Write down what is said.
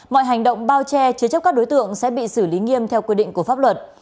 mọi hành động bao che chứa chấp các đối tượng sẽ bị xử lý nghiêm theo quy định của pháp luật